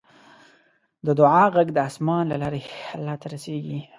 د دعا غږ د اسمان له لارې الله ته رسیږي.